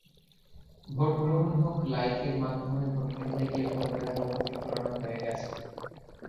Vote গ্রহণ হোক লাইকের মাধ্যমেভোটকেন্দ্রে গিয়ে ভোট দেওয়ার পদ্ধতি পুরোনো হয়ে গেছে।